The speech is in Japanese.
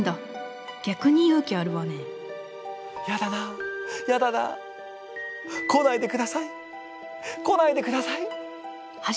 「やだなやだな来ないでください！来ないでください！」。